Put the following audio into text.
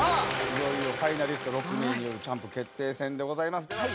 いよいよファイナリスト６名によるチャンプ決定戦でございます。